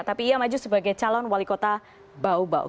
tapi ia maju sebagai calon wali kota bau bau